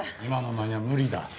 今のお前には無理だ。